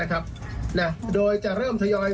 กับประชาชน